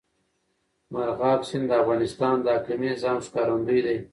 مورغاب سیند د افغانستان د اقلیمي نظام ښکارندوی ده.